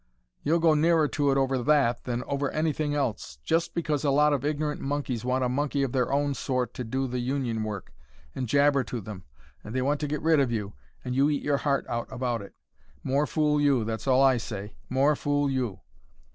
"You'll go nearer to it over that, than over anything else: just because a lot of ignorant monkeys want a monkey of their own sort to do the Union work, and jabber to them, they want to get rid of you, and you eat your heart out about it. More fool you, that's all I say more fool you.